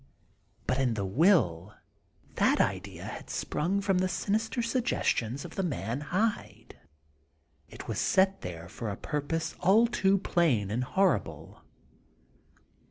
19 But in the will, that idea had sprung from the sinister suggestions of the man Hyde ; it was set there for a purpose all too plain and horrible.